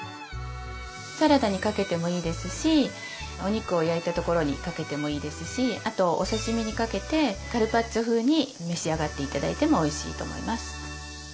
サラダにかけてもいいですしお肉を焼いたところにかけてもいいですしあとお刺身にかけてカルパッチョ風に召し上がって頂いてもおいしいと思います。